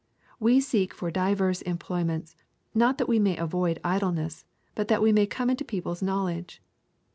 We seek for divers employments, not that we may avoid idleness, but that we may come into people's knowledge.